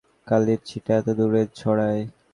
কালির ছিটা এত দূরেও ছড়ায়!